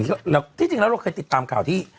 แล้วที่จริงแล้วเราเคยติดตามข่าวที่